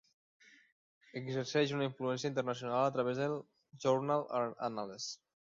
Exerceix una influència internacional a través de Journal Annales.